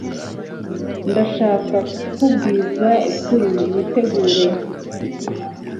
ndashaka ku kubwiza ukuri wi tegure